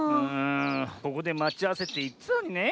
ここでまちあわせっていってたのにねえ